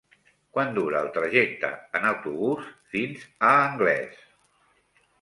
Quant dura el trajecte en autobús fins a Anglès?